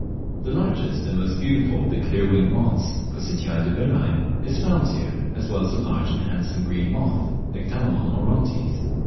The largest and most beautiful of the clear winged moths (Cocytia d'urvillei) is found here, as well as the large and handsome green moth (Nyctalemon orontes).